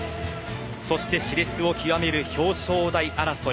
そしてし烈をきわめる表彰台争い。